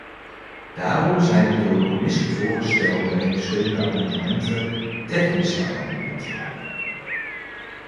Daarom zijn de door de commissie voorgestelde en gesteunde amendementen technische amendementen.